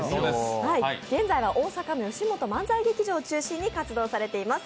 現在は大阪のよしもと漫才劇場を中心に活躍されています。